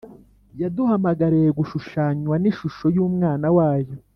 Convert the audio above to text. yaduhamagariye “gushushanywa n’ishusho y’umwana wayo